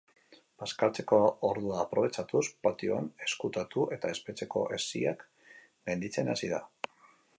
Bazkaltzeko ordua aprobetxatuz, patioan ezkutatu eta espetxeko hesiak gainditzen hasi da.